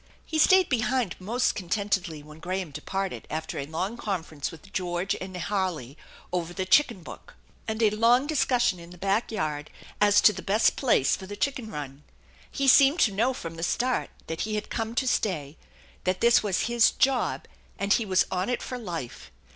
He stayed behind most con^ tentedly when Graham departed after a long conference with George and Harley over the " chicken " book, and a long discussion in the back yard as to the best place for the chicken run. He seemed to know from the start that he had come tc stay, that this was his " job " and he was on it for life.